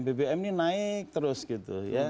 bbm ini naik terus gitu ya